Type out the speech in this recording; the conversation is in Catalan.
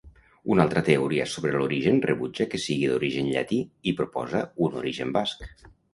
Una altra teoria sobre l'origen rebutja que sigui d'origen llatí i proposa un origen basc.